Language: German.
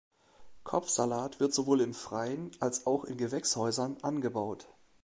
Kopfsalat wird sowohl im Freien als auch in Gewächshäusern angebaut.